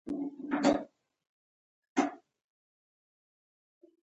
د غلو دانو ذخیره.